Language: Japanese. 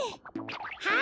はい！